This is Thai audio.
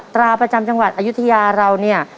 ตราประจำจังหวัดอายุทยาเราเนี่ย